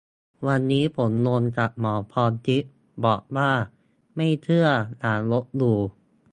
วันนี้ผม งงกับ หมอพรทิพย์ บอกว่า "ไม่เชื่ออย่าลบหลู่" !